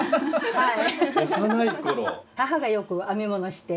はい。